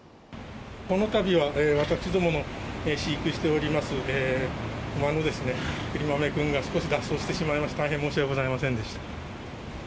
このたびは、私どもの飼育しております馬のくりまめくんが少し脱走してしまいまして、大変申し訳ございませんでした。